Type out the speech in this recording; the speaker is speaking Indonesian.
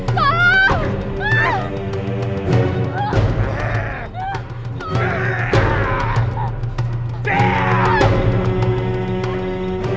tolong lepaskan aku